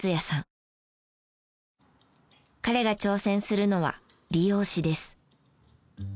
彼が挑戦するのは理容師です。